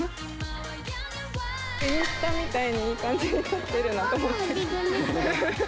インスタみたいに、いい感じに撮ってるなと思って。